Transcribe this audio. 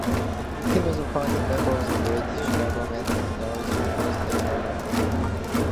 He was a founding member of the British Government's Technology Foresight programme.